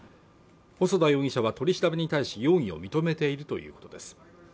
細田容疑者は取り調べに対し容疑を認めているということです